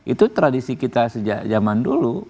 itu tradisi kita sejak zaman dulu